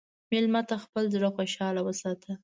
مېلمه ته خپل زړه خوشحال وساته.